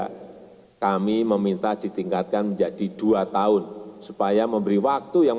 tahun dalam pemberian sp tiga kami meminta ditingkatkan menjadi dua tahun supaya memberi waktu yang